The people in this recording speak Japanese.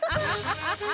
ハハハハハ。